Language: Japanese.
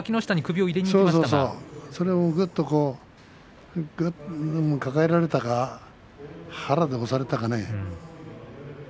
それをぐっと抱えられたか腹で押されたか。